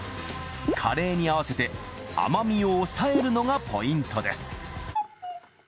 カレーに合わせて甘みを抑えるのがポイントです